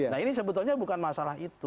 nah ini sebetulnya bukan masalah itu